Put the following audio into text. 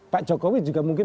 pak jokowi juga mungkin